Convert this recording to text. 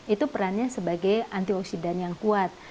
itu perannya sebagai antioksidan yang kuat